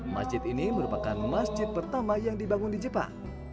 masjid ini merupakan masjid pertama yang dibangun di jepang